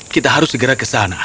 kita harus segera ke sana